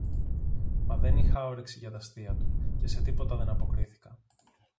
Μα δεν είχα όρεξη για τ' αστεία του, και σε τίποτα δεν αποκρίθηκα